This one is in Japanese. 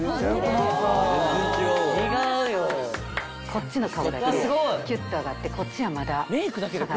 こっちの顔だけキュッと上がってこっちはまだ下がってる。